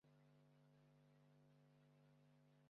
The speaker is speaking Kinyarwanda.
Iyo imashini isimbutse umuntu